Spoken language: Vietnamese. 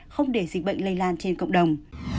không để dịch bệnh lây lan trên cộng đồng